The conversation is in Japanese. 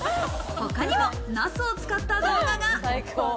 他にもナスを使った動画が。